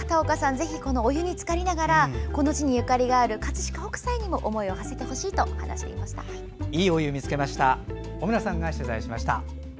ぜひお湯につかりながらこの地にゆかりがある葛飾北斎にも思いをはせてほしい小村さんが取材しました。